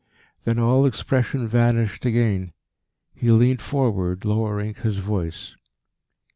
Then all expression vanished again; he leaned forward, lowering his voice.